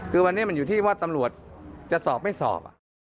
คือวันนี้มันอยู่ที่ว่าตำรวจจะสอบไม่สอบ